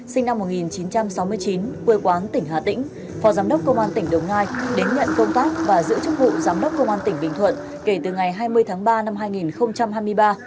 sinh năm một nghìn chín trăm sáu mươi chín quê quán tỉnh hà tĩnh phó giám đốc công an tỉnh đồng nai đến nhận công tác và giữ chức vụ giám đốc công an tỉnh bình thuận kể từ ngày hai mươi tháng ba năm hai nghìn hai mươi ba